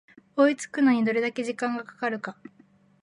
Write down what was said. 追いつくのにどれだけ時間がかかるか